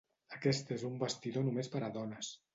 Aquest és un vestidor només per a dones.